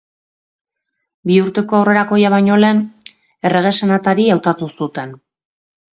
Biurteko Aurrerakoia baino lehen errege senatari hautatu zuten.